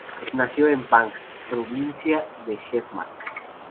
Nació en Vang, Provincia de Hedmark.